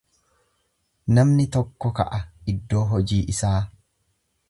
Namni tokko ka'a iddoo hojii isaa.